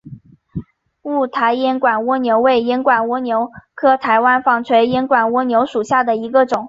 雾台烟管蜗牛为烟管蜗牛科台湾纺锤烟管蜗牛属下的一个种。